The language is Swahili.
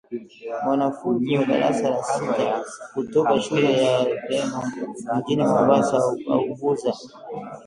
Mwanafunzi wa darasa la sita kutoka shule ya gremon mjini mombasa auguza